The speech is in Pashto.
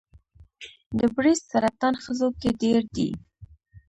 د بریسټ سرطان ښځو کې ډېر دی.